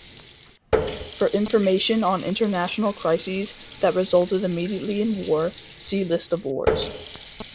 For information on international crises that resulted immediately in war, see List of wars.